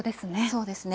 そうですね。